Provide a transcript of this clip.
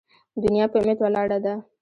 ـ دنيا په اميد ولاړه ده.